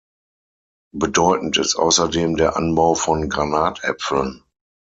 Bedeutend ist außerdem der Anbau von Granatäpfeln.